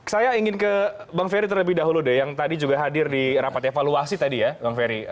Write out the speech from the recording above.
saya ingin ke bang ferry terlebih dahulu deh yang tadi juga hadir di rapat evaluasi tadi ya bang ferry